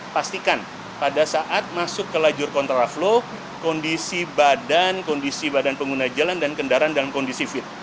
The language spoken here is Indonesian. pastikan pada saat masuk ke lajur kontraflow kondisi badan kondisi badan pengguna jalan dan kendaraan dalam kondisi fit